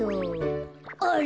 あれ？